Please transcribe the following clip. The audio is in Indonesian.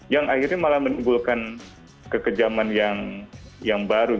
yang akhirnya malah menimbulkan kekejaman yang baru